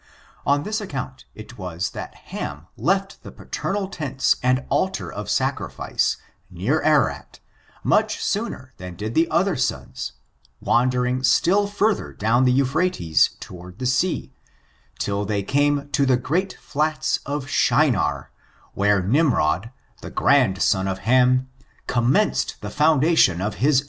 On this account, it w|i,s tihjsa Ham left the palemal tents and aUar of sacrifice, near Ararat, much soon er than did the other sons, wandering still further down the Euphrates toward the sea, till they came to the great flats of Shmar^ where Nimrod, the grand son of Ham, commenced the foundation of his